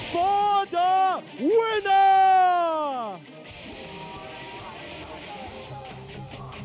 เพื่อรักษา